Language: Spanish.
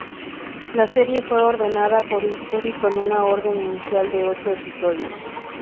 La serie fue ordenada por History con una orden inicial de ocho episodios.